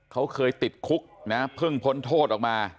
เขาเคยติดคุกนะเพิ่งพ้นโทษออกมา